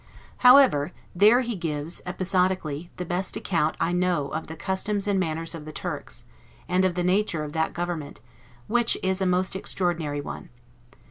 However, there he gives, episodically, the best account I know of the customs and manners of the Turks, and of the nature of that government, which is a most extraordinary one.